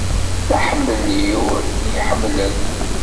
D aḥemmel-im i y-iḥemmlen.